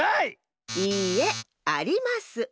いいえあります。